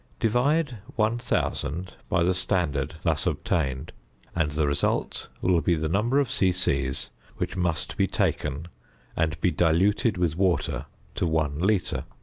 Divide 1000 by the standard thus obtained and the result will be the number of c.c. which must be taken and be diluted with water to 1 litre.